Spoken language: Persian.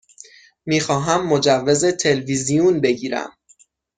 می خواهم مجوز تلویزیون بگیرم.